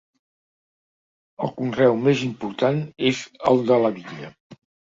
El conreu més important és el de la vinya.